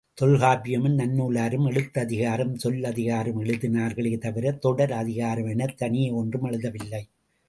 தொல்காப்பியமும் நன்னூலாரும் எழுத்ததிகாரமும் சொல்லதிகாரமும் எழுதினார்களே தவிர, தொடர் அதிகாரம் எனத் தனியே ஒன்றும் எழுதவில்லை.